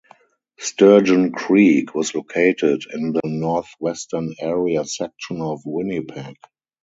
Sturgeon Creek was located in the northwestern area section of Winnipeg.